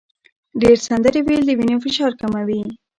ډېر سندرې ویل د وینې فشار کموي.